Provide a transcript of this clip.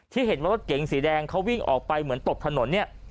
ที่เห็นว่ารถเก๋งสีแดงเขาวิ่งออกไปเหมือนตกถนนเนี่ย